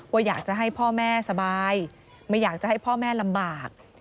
อยากจะให้พ่อแม่สบายไม่อยากจะให้พ่อแม่ลำบาก